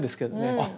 あっ